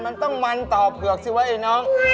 มันต้องมันต่อเผือกสิวะไอ้น้อง